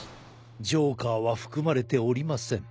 ジョーカーは含まれておりません。